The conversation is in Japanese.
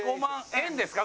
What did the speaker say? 「円」ですか？